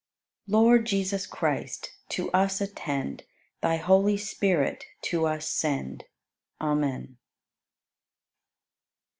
82. Lord Jesus Christ, to us attend. Thy Holy Spirit to us send. Amen.